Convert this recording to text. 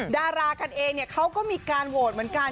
ดารากันเองเขาก็มีการโหวตเหมือนกัน